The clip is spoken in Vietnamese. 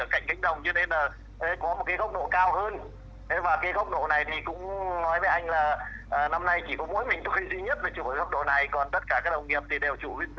còn tất cả các nông nghiệp thì đều chủ huyết tuế